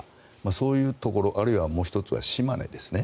そういうところあるいはもう１つは島根ですね。